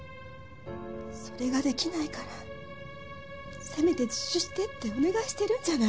〔それができないからせめて自首してってお願いしてるんじゃない〕